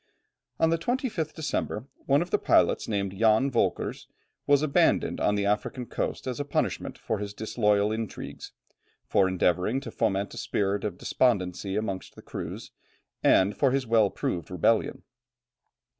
On the 25th December, one of the pilots named Jan Volkers, was abandoned on the African coast as a punishment for his disloyal intrigues, for endeavouring to foment a spirit of despondency amongst the crews, and for his well proved rebellion.